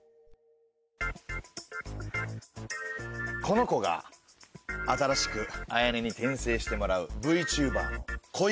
この子が新しく綾音に転生してもらうＶＴｕｂｅｒの恋